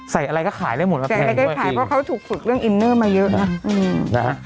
ใส่อะไรก็ขายได้หมดนะครับใส่อะไรก็ขายเพราะเขาถูกฝึกเรื่องอินเนอร์มาเยอะนะ